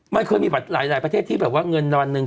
มันเคยมีหลายประเทศที่แบบว่าเงินดอนนึง